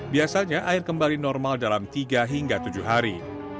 biasanya air kembali normal dalam tiga hingga tujuh hari